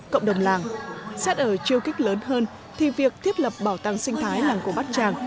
cộng đồng làng xét ở chiều kích lớn hơn thì việc thiết lập bảo tàng sinh thái làng cổ bát tràng